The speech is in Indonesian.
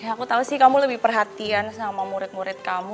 aku tahu sih kamu lebih perhatian sama murid murid kamu